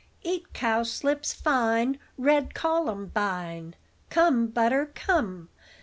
Eat cowslips fine, Red columbine Come, butter, come!